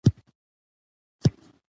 زنګي خان پر سیکهانو ناڅاپي حمله وکړه.